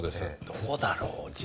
どうだろう？